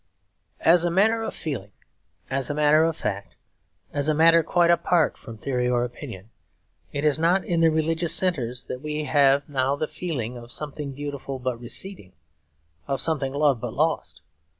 As a matter of feeling, as a matter of fact, as a matter quite apart from theory or opinion, it is not in the religious centres that we now have the feeling of something beautiful but receding, of something loved but lost.